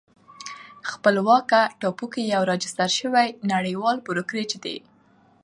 خپلواکه ټاپو کې یو راجستر شوی نړیوال بروکریج دی